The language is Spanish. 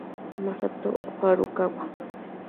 Masato Furukawa